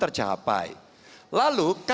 maka saya lebih ekey buat semuanya